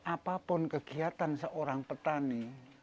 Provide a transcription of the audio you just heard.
apapun kegiatan seorang petani